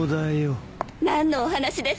何のお話ですか？